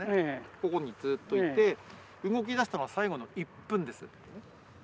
ここにずっといて動き出したのは最後の１分です。